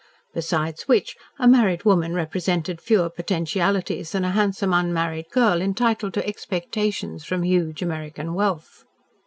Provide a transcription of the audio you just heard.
Besides which a married woman represented fewer potentialities than a handsome unmarried girl entitled to expectations from huge American wealth.